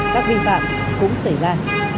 các vi phạm cũng xảy ra